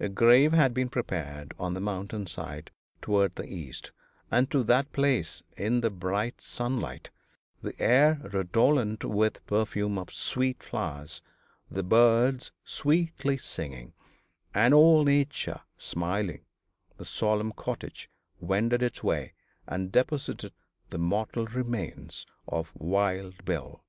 A grave had been prepared on the mountain side toward the east, and to that place in the bright sunlight, the air redolent with the perfume of sweet flowers, the birds sweetly singing, and all nature smiling, the solemn cortege wended its way and deposited the mortal remains of Wild Bill.